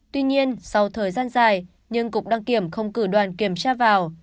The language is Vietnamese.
tuy nhiên sau thời gian dài nhưng cục đăng kiểm không cử đoàn kiểm tra vào